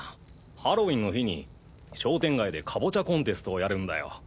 ハロウィンの日に商店街でカボチャコンテストをやるんだよ。